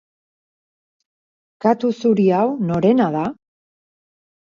Katu zuri hau norena da?